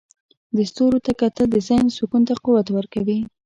د ستورو ته کتل د ذهن سکون ته قوت ورکوي.